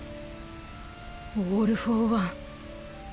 オール・フォー・ワン。